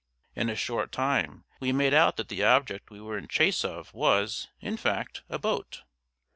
In a short time we made out that the object we were in chase of was, in fact, a boat.